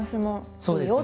そうですね。